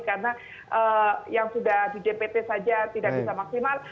karena yang sudah di dpt saja tidak bisa maksimal